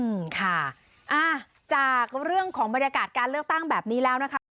อืมค่ะอ่าจากเรื่องของบรรยากาศการเลือกตั้งแบบนี้แล้วนะคะ